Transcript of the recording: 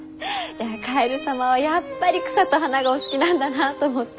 カエル様はやっぱり草と花がお好きなんだなと思って。